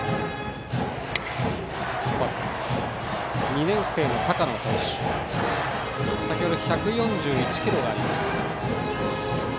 ２年生の高野投手は先程１４１キロがありました。